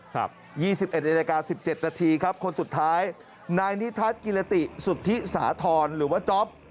๒๑นาฬิกา๑๗นาทีครับคนสุดท้ายนายนิทัศน์กินละติสุธิสาธรณ์หรือว่าจ๊อป